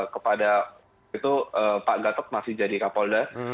kepada pak datuk masih jadi kapolda